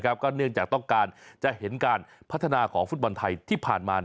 ก็เนื่องจากต้องการจะเห็นการพัฒนาของฟุตบอลไทยที่ผ่านมา